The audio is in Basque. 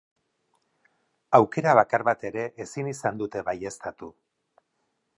Aukera bakar bat ere ezin izan dute baieztatu.